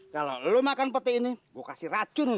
kalau lo makan peti ini gue kasih racun